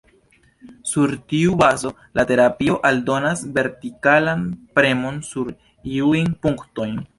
Sur tiu bazo la terapio aldonas vertikalan premon sur iujn punktojn.